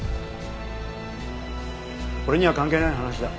俺には関係ない話だ。